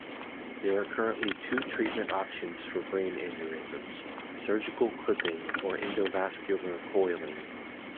There are currently two treatment options for brain aneurysms: surgical clipping or endovascular coiling.